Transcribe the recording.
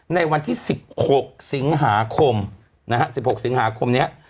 ในวันที่สิบหกสิงหาคมนะฮะสิบหกสิงหาคมเนี้ย